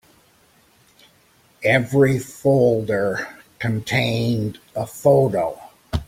Every folder contained a photo.